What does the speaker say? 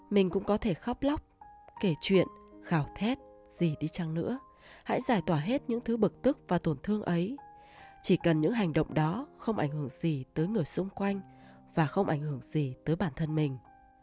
mình cũng có thể khóc lóc kể chuyện khảo thét gì đi chăng nữa hãy giải tỏa hết những thứ bực tức và tổn thương ấy chỉ cần những hành động đó không ảnh hưởng gì tới người xung quanh và không ảnh hưởng gì tới bản thân mình